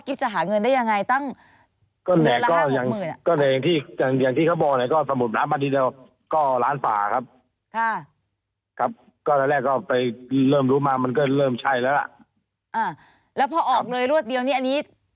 กิฟต์จะหาเงินได้ยังไงตั้งเหนือละ๕๖หมื่น